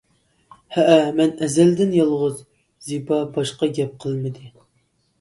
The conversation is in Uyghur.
— ھەئە مەن ئەزەلدىن يالغۇز. — زىبا باشقا گەپ قىلمىدى.